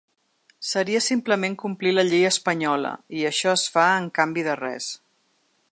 Seria simplement complir la llei espanyola, i això es fa en canvi de res.